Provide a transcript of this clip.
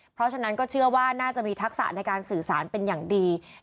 เพราะฉะนั้นก็เชื่อว่าน่าจะมีทักษะในการสื่อสารเป็นอย่างดี